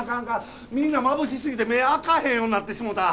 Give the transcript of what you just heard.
みんなまぶしすぎて目開かへんようになってしもうた。